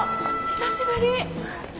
久しぶり。